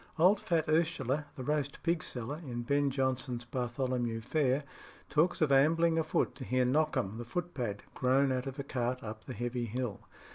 Old fat Ursula, the roast pig seller in Ben Jonson's Bartholomew Fair talks of ambling afoot to hear Knockhem the footpad groan out of a cart up the Heavy Hill.